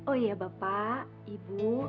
oh iya bapak ibu